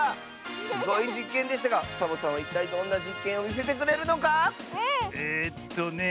すごいじっけんでしたがサボさんはいったいどんなじっけんをみせてくれるのか⁉えっとね